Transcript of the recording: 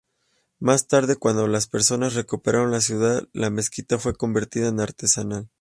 Más tarde, cuando los persas recuperaron la ciudad, la mezquita fue convertida en arsenal.